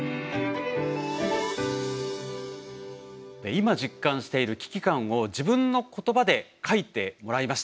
今実感している危機感を自分の言葉で書いてもらいました。